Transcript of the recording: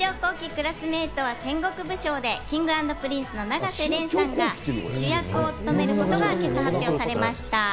クラスメイトは戦国武将』でＫｉｎｇ＆Ｐｒｉｎｃｅの永瀬廉君が主演を務めることが今朝発表されました。